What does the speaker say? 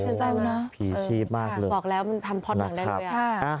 ช่วยใจมากนะพี่ชีพมากเลยนะครับค่ะบอกแล้วมันทำพล็อตหนังได้เลย